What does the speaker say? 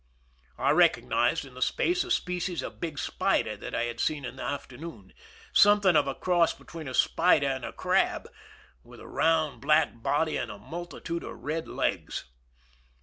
I recognized in the dark a species of big spider that I had seen in the afternoon— some thing of a cross between a spider and a crab, with a round, black body and a multitude of red legs.